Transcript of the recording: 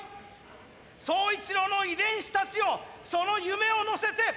宗一郎の遺伝子たちよその夢を乗せて。